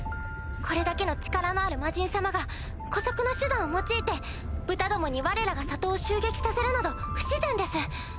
これだけの力のある魔人様が姑息な手段を用いて豚どもにわれらが里を襲撃させるなど不自然です。